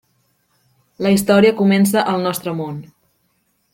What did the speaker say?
La història comença al nostre món.